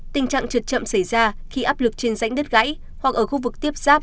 tình trạng trượt chậm xảy ra khi áp lực trên rãnh đất gãy hoặc ở khu vực tiếp giáp